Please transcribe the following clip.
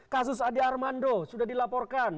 kasus ade armando sudah dilaporkan